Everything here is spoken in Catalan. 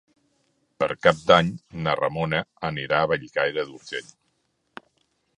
Per Cap d'Any na Ramona anirà a Bellcaire d'Urgell.